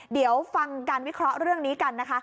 เดี๋ยวฟังการวิเคราะห์เรื่องนี้กันนะคะ